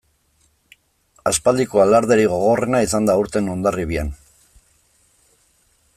Aspaldiko alarderik gogorrena izan da aurten Hondarribian.